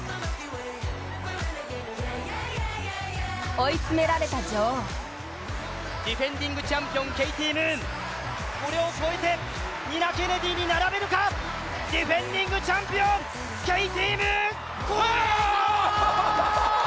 追い詰められた女王、ディフェンディングチャンピオン、ケイティ・ムーン、これを越えてニナ・ケネディに並べるか、ディフェンディングチャンピオンケイティ・ムーン越えた！